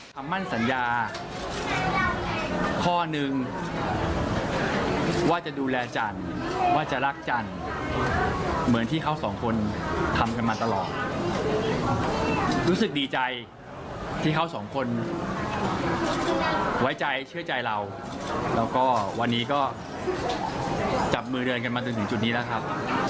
คำมั่นสัญญาข้อหนึ่งว่าจะดูแลจันทร์ว่าจะรักจันทร์เหมือนที่เขาสองคนทำกันมาตลอดรู้สึกดีใจที่เขาสองคนไว้ใจเชื่อใจเราแล้วก็วันนี้ก็จับมือเดินกันมาจนถึงจุดนี้แล้วครับ